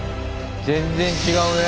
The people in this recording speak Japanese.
全然違うね。